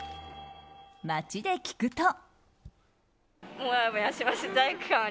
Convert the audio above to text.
街で聞くと。